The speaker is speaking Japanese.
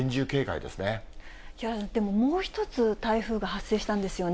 木原さん、でももう一つ台風が発生したんですよね。